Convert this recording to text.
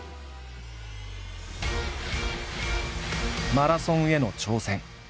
マラソンへの挑戦。